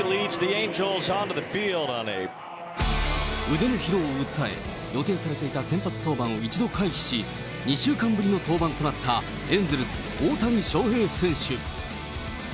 腕の疲労を訴え、予定されていた先発登板を一度回避し、２週間ぶりの登板となったエンゼルス、大谷翔平選手。